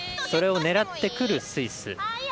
それを狙ってくるスイス。